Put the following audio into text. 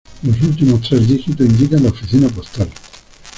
Los últimos tres dígitos indican la oficina postal.